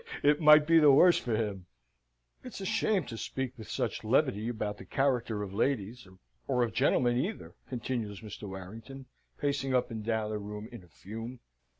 "It might be the worse for him." "It's a shame to speak with such levity about the character of ladies or of gentlemen either," continues Mr. Warrington, pacing up and down the room in a fume.